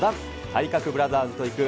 体格ブラザーズと行く！